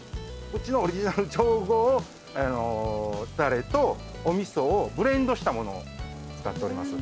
うちのオリジナル調合ダレとお味噌をブレンドしたものを使っております。